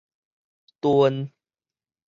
屯